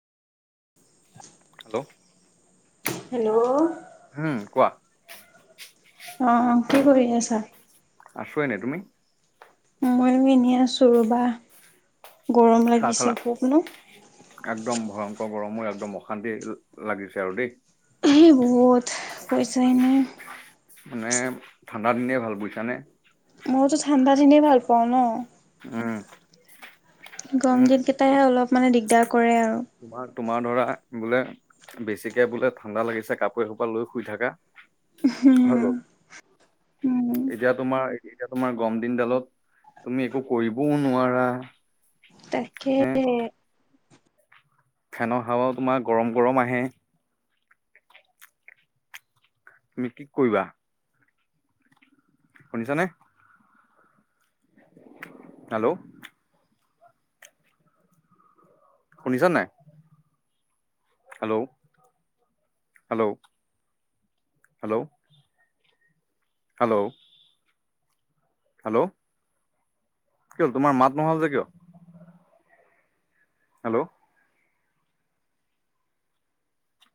[inaudible] Hello! Hello? উম, কোৱা! অ কি কৰি আছা আছয় নাই তুমি? মই এনে আছো ৰ'বা গৰম চাহ খালা লাগিছে খব ন একদম ভয়ংকৰ গৰমো একদম অশান্তি লাগিছে আৰু দেই। এই বহুত পইছে ন! মানে ঠাণ্ডা দিনে ভাল বুইছাানে মইতো ঠাণ্ডাখিনিয়েই ভাল পাওঁ ন,। উম গৰম উম দিনকেইটাইাহে অলপ মানে দিগদাৰ কৰে আৰু তোমাৰ, তোমাৰ ধৰা বোলে। বেছিকে বোলে ঠাণ্ডা লাগিছে কাপোৰ এসোপা লৈ শুই থাককা,। উম, হয় গল উম, এতিয়া তোমাৰ এতিয়া তোমাৰ গম দিনডালত তুমি একো কৰিবও নোৱাৰা তাকে,। হে খানৰ খাৱাও তোমাৰ গৰম গৰম আহে তুমি কি কৰিবা শুনিছনে? হেল্ল'! শুনিছ নাই? Hello hello hello hello hello কিয়ল তোমাৰ মাত নহল যে কিয় হেল্ল'!